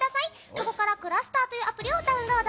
そこからｃｌｕｓｔｅｒというアプリをダウンロード。